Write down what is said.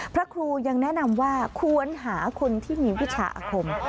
พระครูยังแนะนำว่าควรหาคนที่มีวิชาอาคม